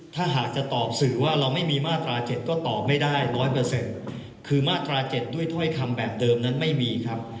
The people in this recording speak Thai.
ถ้าหากจะตอบสื่อว่าเราไม่มีมาตรา๗ก็ตอบไม่ได้๑๐๐คือมาตรา๗ด้วยถ้อยคำแบบเดิมนั้นไม่มีครับ